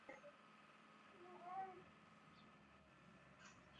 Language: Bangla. মিচেল বাকিংহামশায়ারের চালফন্ট সেন্ট পিটারে জন্মগ্রহণ করেন।